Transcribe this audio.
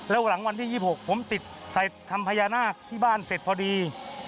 แล้วหลังวันที่๒๖ผมติดใส่คำพญานาคที่บ้านเสร็จพอดี